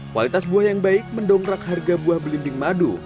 kualitas buah yang baik mendongkrak harga buah belimbing madu